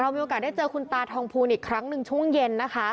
มีโอกาสได้เจอคุณตาทองภูลอีกครั้งหนึ่งช่วงเย็นนะคะ